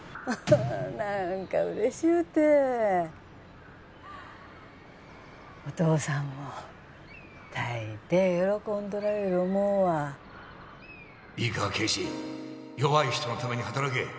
ああ何か嬉しゅうてお父さんもたいてい喜んどられる思うわいいか啓示弱い人のために働け